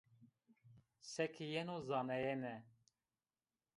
Seke yeno zanayene